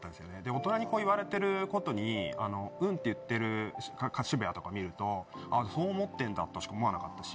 大人に言われてることに「うん」って言ってる渋谷とか見るとそう思ってんだとしか思わなかったし。